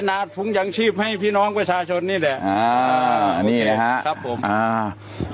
อาจถุงยางชีพให้พี่น้องประชาชนนี่แหละอ่านี่แหละฮะครับผมอ่า